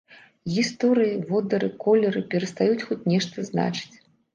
Гісторыі, водары, колеры перастаюць хоць нешта значыць.